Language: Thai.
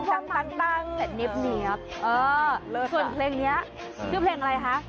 ส่วนเพลงนี้คือเพลงอะไรคะ